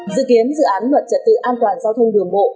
dự kiến dự án luật trật tự an toàn giao thông đường bộ